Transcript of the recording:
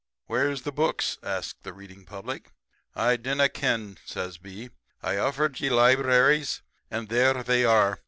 "'Where's the books?' asks the reading public. "'I dinna ken,' says B. 'I offered ye libraries; and there they are.